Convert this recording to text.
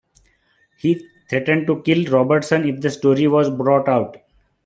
He threatened to kill Robertson if the story was brought out.